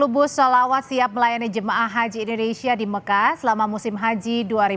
empat ratus lima puluh bus solawat siap melayani jemaah haji indonesia di mekah selama musim haji dua ribu dua puluh empat